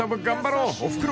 ［おふくろ